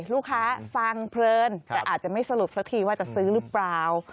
ลูกค้าฟังเพลินแต่อาจจะไม่สรุปสักทีว่าจะซื้อหรือเปล่า